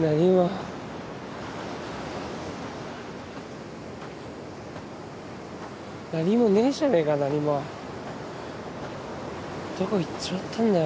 何も何もねえじゃねえか何もどこ行っちまったんだよ